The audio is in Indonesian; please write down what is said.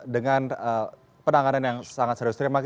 dengan penanganan yang sangat serius